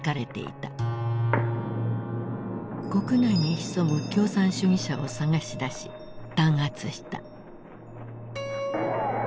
国内に潜む共産主義者を探しだし弾圧した。